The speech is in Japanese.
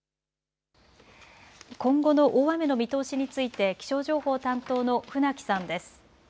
今後の大雨の見通しについて気象情報担当の船木さんです。